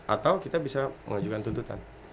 atau kita bisa mengajukan tuntutan